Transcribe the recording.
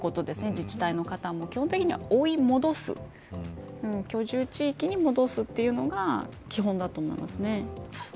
自治体の方も基本的に追い戻す居住地域に戻すというのが基本だと思います。